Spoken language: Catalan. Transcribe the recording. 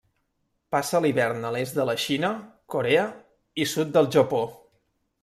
Passa l'hivern a l'est de la Xina, Corea i sud del Japó.